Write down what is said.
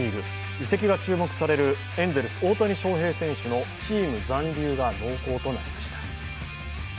移籍が注目されるエンゼルス大谷翔平選手のチーム残留が濃厚となりました。